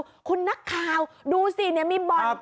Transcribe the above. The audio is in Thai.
ท่านนักขาวดูห่างนี้ท่า